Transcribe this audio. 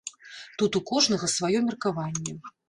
Тут у кожнага, сваё меркаванне.